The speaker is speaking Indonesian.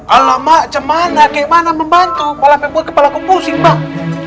alamak cuman nah kayak mana membantu kepala pembunuh kepala kepala kupusing